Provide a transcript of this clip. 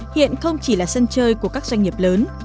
hiện không chỉ là sân chơi của các doanh nghiệp lớn